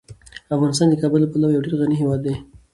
افغانستان د کابل له پلوه یو ډیر غني هیواد دی.